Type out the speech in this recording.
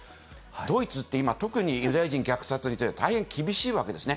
ドイツって今、特にユダヤ人虐殺について大変厳しいわけですね。